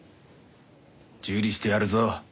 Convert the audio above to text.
受理してやるぞ。